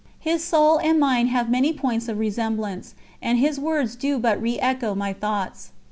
His soul and mine have many points of resemblance, and his words do but re echo my thoughts."